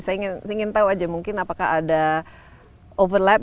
saya ingin tahu aja mungkin apakah ada overlap